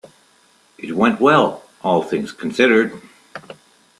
It went well, all things considered.